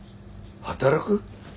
働く？